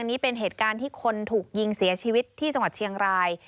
นี่เป็นเหตุการณ์ที่คนถูกยิงเสียชีวิตที่จังหวัดเชียงราย